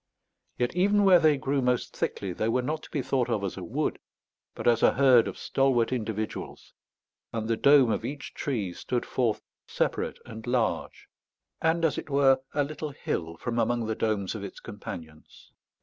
Yet even where they grew most thickly they were not to be thought of as a wood, but as a herd of stalwart individuals; and the dome of each tree stood forth separate and large, and as it were a little bill, from among the domes of its companions.